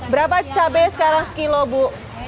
berapa cabai sekarang kilo bu